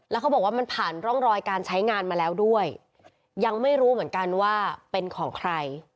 แล้วเขาบอกว่ามันผ่านร่องรอยการใช้งานมาแล้วด้วยยังไม่รู้เหมือนกันว่าเป็นของใคร